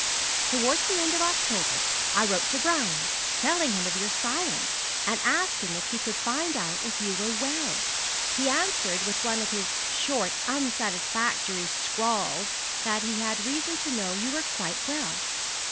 'Towards the end of October I wrote to Brian, telling him of your silence, and asking if he could find out if you were well. He answered with one of his short, unsatisfactory scrawls that he had reason to know you were quite well.